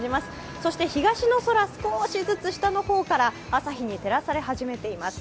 そして東の空、少しずつ下の方から朝日に照らされています。